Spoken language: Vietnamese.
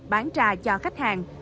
bán trà cho khách hàng